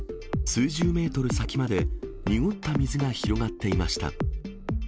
数十メートル先まで、濁った水が広がっていました。